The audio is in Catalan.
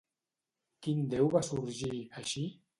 Quin déu va sorgir, així?